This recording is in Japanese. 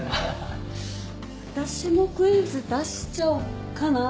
私もクイズ出しちゃおっかな。